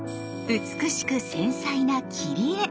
美しく繊細な切り絵！